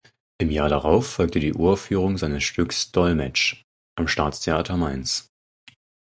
Im Jahr darauf folgte die Uraufführung seines Stücks "Dollmatch" am Staatstheater Mainz.